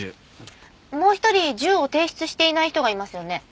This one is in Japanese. もう一人銃を提出していない人がいますよね？